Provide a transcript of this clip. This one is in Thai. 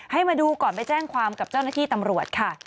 ให้มาดูก่อนไปแจ้งความกับเจ้าหน้าที่ตำรวจค่ะ